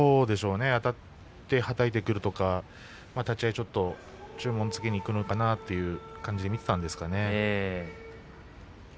あたってはたいてくるとか立ち合い、注文をつけにいくのかなという感じで見ていましたが。